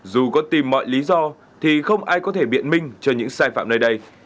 dù có tìm mọi lý do thì không ai có thể biện minh cho những sai phạm nơi đây